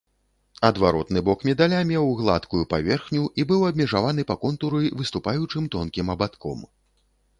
Адваротны бок медаля меў гладкую паверхню і быў абмежаваны па контуры выступаючым тонкім абадком.